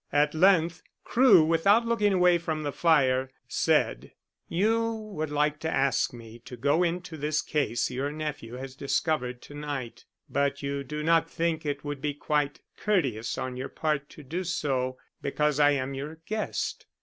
At length Crewe, without looking away from the fire, said: "You would like to ask me to go into this case your nephew has discovered to night, but you do not think it would be quite courteous on your part to do so, because I am your guest."